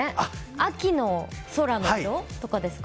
秋の空の色とかですか。